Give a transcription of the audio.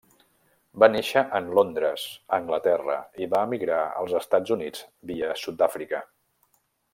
Va néixer en Londres, Anglaterra, i va emigrar als Estats Units via Sud-àfrica.